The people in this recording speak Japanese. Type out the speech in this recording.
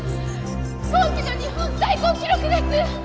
今季の日本最高記録です！